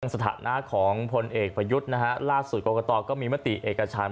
สถานะของพลเอกประยุทธ์นะฮะล่าสุดกรกตก็มีมติเอกชัน